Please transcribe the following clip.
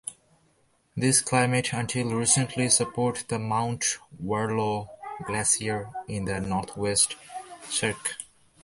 This climate until recently supported the Mount Warlow Glacier in the northwest cirque.